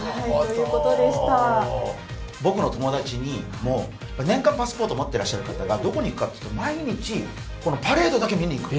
僕の友達にも年間パスポート持っていらっしゃる方がどこに行くかというと、毎日、夜からパレードだけ見にいくと。